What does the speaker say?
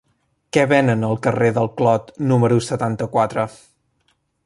Què venen al carrer del Clot número setanta-quatre?